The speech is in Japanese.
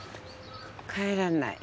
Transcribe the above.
帰らない。